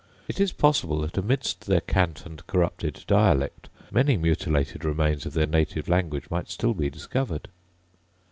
It is possible that amidst their cant and corrupted dialect many mutilated remains of their native language might still be discovered.